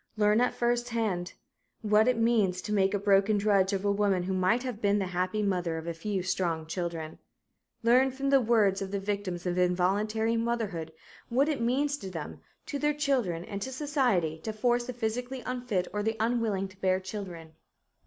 Learn at first hand what it means to make a broken drudge of a woman who might have been the happy mother of a few strong children. Learn from the words of the victims of involuntary motherhood what it means to them, to their children and to society to force the physically unfit or the unwilling to bear children.